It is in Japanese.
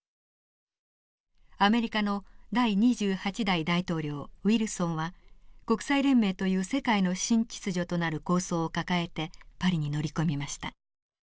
アメリカの第２８代大統領ウィルソンは国際連盟という世界の新秩序となる構想を抱えてパリに乗り込みました。